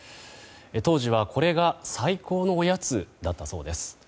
当時はこれが最高のおやつだったそうです。